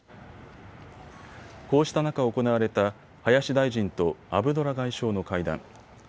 こうした中、行われた林大臣とアブドラ外相の会談。